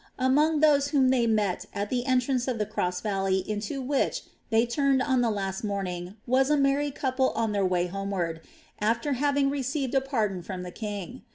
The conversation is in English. Among those whom they met at the entrance of the cross valley into which they turned on the last morning was a married couple on their way homeward, after having received a pardon from the king.